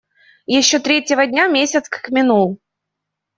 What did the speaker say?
Еще третьего дня месяц как минул.